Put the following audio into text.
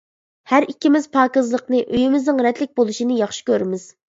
ھەر ئىككىمىز پاكىزلىقنى، ئۆيىمىزنىڭ رەتلىك بولۇشىنى ياخشى كۆرىمىز.